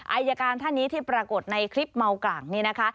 อายการท่านนี้ที่ปรากฏในคลิปเมากร่างนี่นะคะ